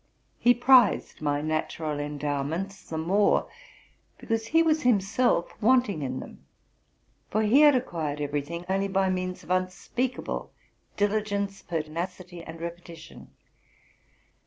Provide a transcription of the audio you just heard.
He prized my natural endowments the more, because he was himself wanting in them; for he had acquired every thing only by means of unspeakable diligence, pertinacity, and repetition.